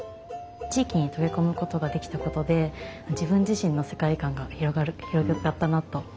地域に溶け込むことができたことで自分自身の世界観が広がったなと思っています。